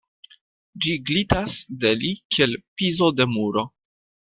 Ĝi glitas de li kiel pizo de muro.